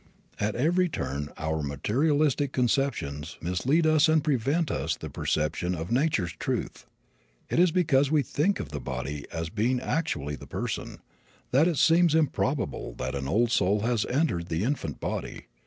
At every turn our materialistic conceptions mislead us and prevent the perception of nature's truth. It is because we think of the body as being actually the person, that it seems improbable that an old soul has entered the infant body.